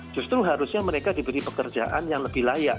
justru harusnya mereka diberi pekerjaan yang lebih layak